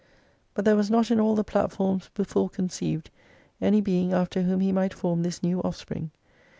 But there was not in all the platforms before conceived any being after whom He might form this new offspring.